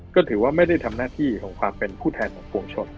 ก็ถือว่าไม่ได้ทำหน้าที่ของความเป็นผู้แทนของปวงชน